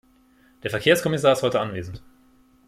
Der Verkehrskommissar ist heute anwesend.